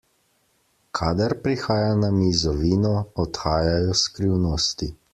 Kadar prihaja na mizo vino, odhajajo skrivnosti.